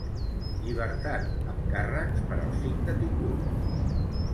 Llibertat amb càrrecs per als cinc detinguts.